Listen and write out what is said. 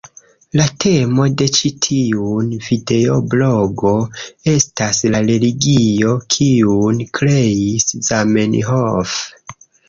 La temo de ĉi tiun videoblogo estas la religio kiun kreis Zamenhof.